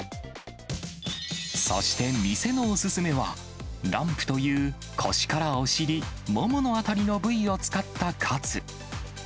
そして店のお勧めは、ランプという腰からお尻、ももの辺りの部位を使ったカツ。